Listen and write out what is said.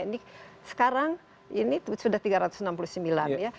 ini sekarang ini sudah tiga ratus enam puluh sembilan ya